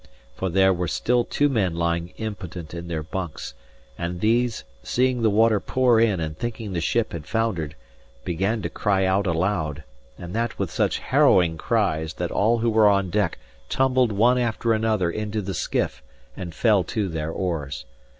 For there were still two men lying impotent in their bunks; and these, seeing the water pour in and thinking the ship had foundered, began to cry out aloud, and that with such harrowing cries that all who were on deck tumbled one after another into the skiff and fell to their oars.